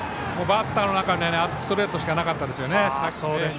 バッターの中にはストレートしかなかったですね。